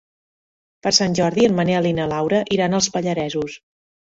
Per Sant Jordi en Manel i na Laura iran als Pallaresos.